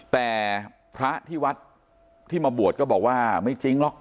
แต่พระที่วัดที่มาบวชก็บอกว่าไม่จริงหรอก